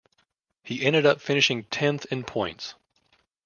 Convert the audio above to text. He ended up finishing tenth in points.